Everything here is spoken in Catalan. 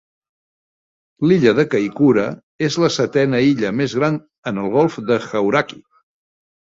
L'illa de Kaikoura és la setena illa més gran en el golf de Hauraki.